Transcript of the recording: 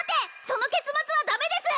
その結末はダメです！